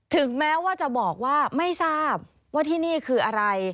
ถึงแม้ว่าจะบอกว่าไม่ทราบว่าที่นี่คืออะไร